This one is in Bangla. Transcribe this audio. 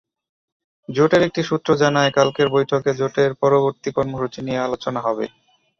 জোটের একটি সূত্র জানায়, কালকের বৈঠকে জোটের পরবর্তী কর্মসূচি নিয়ে আলোচনা হবে।